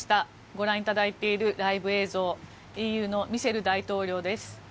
ご覧いただいているライブ映像ＥＵのミシェル大統領です。